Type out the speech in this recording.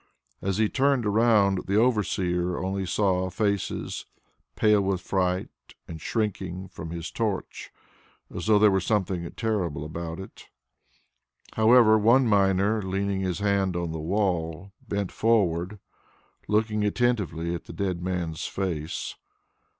As he turned round, the overseer only saw faces pale with fright and shrinking from his torch as though there were something terrible about it. However, one miner, leaning his hand on the wall, bent forward, looking attentively at the dead man's face.